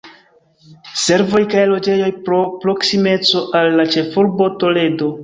Servoj kaj loĝejoj pro proksimeco al la ĉefurbo Toledo.